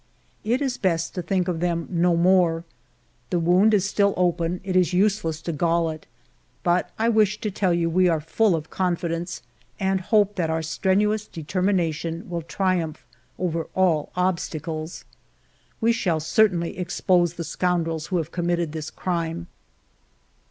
It is best to think of them no more. The wound is still open : it is useless to gall it ; but I wish to tell you we are full of confidence, and hope that our strenuous determination will triumph over all obstacles. We shall certainly expose the scoundrels who have committed this crime."